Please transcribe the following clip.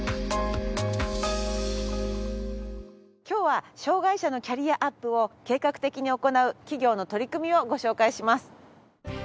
今日は障がい者のキャリアアップを計画的に行う企業の取り組みをご紹介します。